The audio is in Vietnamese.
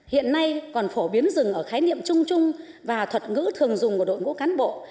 hiện nay còn phổ biến rừng ở khái niệm chung chung và thuật ngữ thường dùng của đội ngũ cán bộ